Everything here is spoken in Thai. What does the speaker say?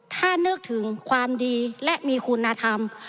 ถ้านึกถึงความดีและมีคุณธรรม